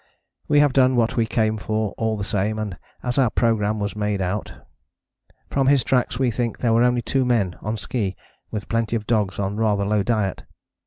We have done what we came for all the same and as our programme was made out. From his tracks we think there were only 2 men, on ski, with plenty of dogs on rather low diet.